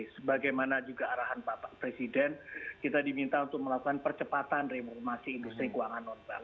sebagaimana juga arahan bapak presiden kita diminta untuk melakukan percepatan reformasi industri keuangan non bank